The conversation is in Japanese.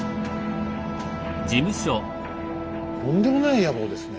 とんでもない野望ですね。